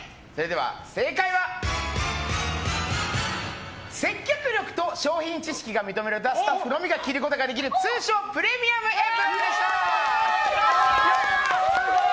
正解は接客力と商品知識が認められたスタッフのみが着ることができる通称プレミアムエプロンでした。